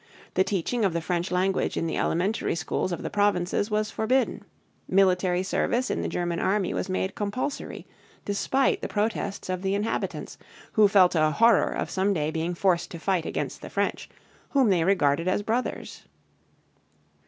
The teaching of the French language in the elementary schools of the provinces was forbidden. Military service in the German army was made compulsory despite the protests of the inhabitants, who felt a horror of some day being forced to fight against the French, whom they regarded as brothers.